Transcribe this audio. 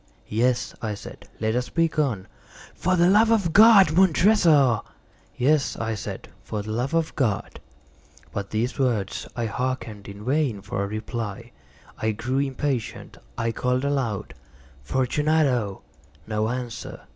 "Yes," I said, "let us be gone." "For the love of God, Montressor!" "Yes," I said, "for the love of God!" But to these words I hearkened in vain for a reply. I grew impatient. I called aloud— "Fortunato!" No answer.